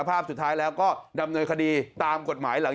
อาวาสมีการฝังมุกอาวาสมีการฝังมุกอาวาสมีการฝังมุกอาวาสมีการฝังมุก